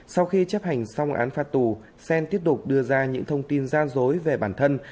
sau khi chấp hành xong án phạt tù xen tiếp tục đưa ra những thông tin gian dối về bản thân